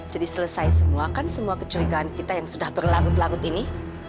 jadi selesai semua kan semua kecerigaan kita yang sudah berlarut larut ini